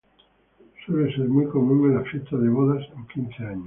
Suele ser muy común en las fiestas de bodas o quince años.